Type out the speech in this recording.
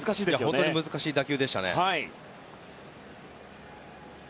本当に難しい打球でしたね。